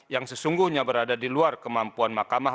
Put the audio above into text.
yang sesungguhnya berada di luar kemampuan mahkamah